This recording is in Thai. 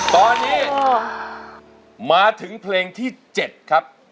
ตอนนี้มาถึงเพลงที่๗ครับ